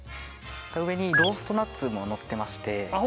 上にローストナッツものってましてあっ